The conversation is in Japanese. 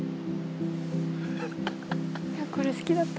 これ好きだった。